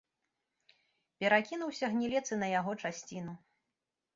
Перакінуўся гнілец і на яго часціну.